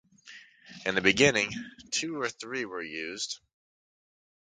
In the beginning, two or three were used.